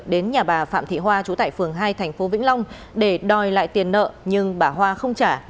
đến nhà bà phạm thị hoa trú tại phường hai thành phố vĩnh long để đòi lại tiền nợ nhưng bà hoa không trả